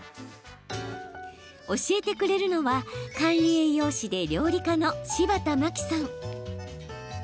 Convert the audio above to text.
教えてくれるのは管理栄養士で料理家の柴田真希さん。